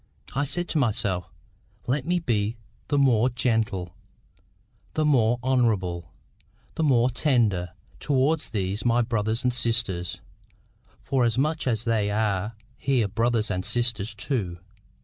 I said to myself, "Let me be the more gentle, the more honourable, the more tender, towards these my brothers and sisters, forasmuch as they are her brothers and sisters too."